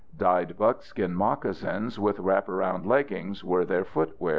Dyed buckskin moccasins with wrap around leggings were their footwear.